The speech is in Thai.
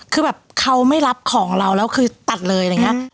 คือแบบเขาไม่รับของเราแล้วคือตัดเลยอะไรอย่างนี้